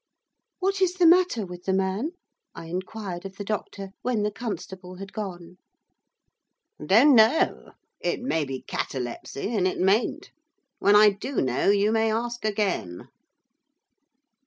'What is the matter with the man?' I inquired of the doctor, when the constable had gone. 'Don't know. It may be catalepsy, and it mayn't. When I do know, you may ask again.